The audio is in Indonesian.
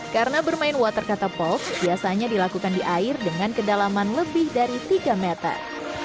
karena bermain water catapult biasanya dilakukan di air dengan kedalaman lebih dari tiga meter